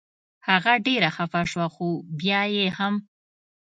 هغه ډېره خفه شوه خو بیا یې هم.